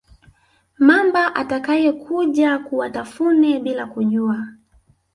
mamba atayekuja kuwatafune bila kujua